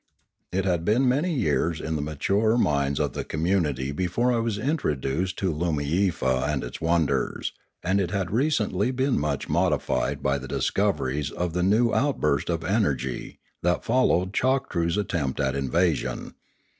It had been many years in the maturer minds of the community before I was introduced to I^)omiefa and its wonders, and it had recently been much modi fied by the discoveries of the new outburst of energy that followed Choktroo's attempt at invasion.